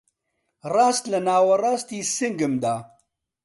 ڕاست لە ناوەڕاستی سنگمدا